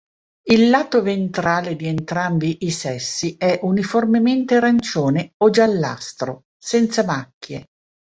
Il lato ventrale di entrambi i sessi è uniformemente arancione o giallastro, senza macchie.